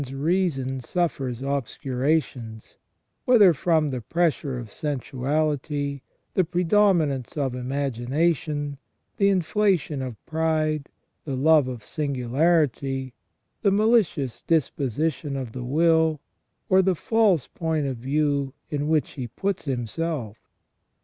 1 03 man's reason suffers obscurations, whether from the pressure of sensuality, the predominance of imagination, the inflation of pride, the love of singularity, the malicious disposition of the will, or the false point of view in which he puts himself.